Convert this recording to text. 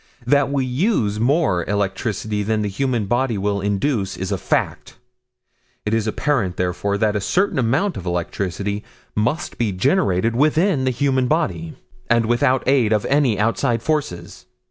That we use more electricity than the human body will induce is a fact; it is apparent therefore that a certain amount of electricity must be generated within the human body, and without aid of any outside forces.